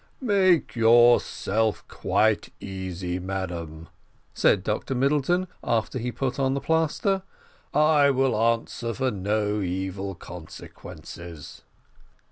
"Make yourself quite easy, madam," said Dr Middleton, after he put on the plaster, "I will answer for no evil consequences."